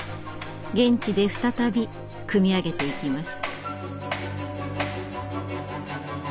現地で再び組み上げていきます。